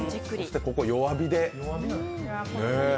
ここは弱火で。